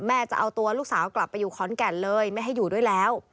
จะเอาตัวลูกสาวกลับไปอยู่ขอนแก่นเลยไม่ให้อยู่ด้วยแล้ว